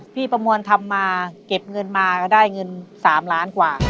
ประมวลทำมาเก็บเงินมาก็ได้เงิน๓ล้านกว่า